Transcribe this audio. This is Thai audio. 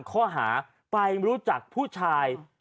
ข้อหาไปรู้จักผู้ชาย